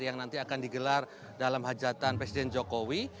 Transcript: yang nanti akan digelar dalam hajatan presiden jokowi